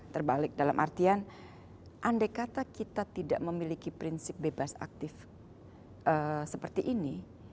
terbalik dalam artian andai kata kita tidak memiliki prinsip bebas aktif seperti ini